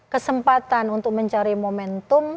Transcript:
kesempatan untuk mencari momentum